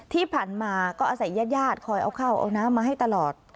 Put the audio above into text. ที่ผ่านมาก็อาศัยญาติญาติคอยเอาข้าวเอาน้ำมาให้ตลอด